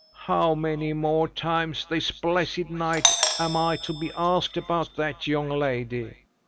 "How many more times this blessed night am I to be asked about that young lady.